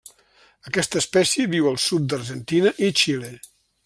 Aquesta espècie viu al sud d'Argentina i Xile.